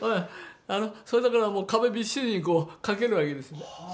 それだからもう壁びっしりにこう掛けるわけです。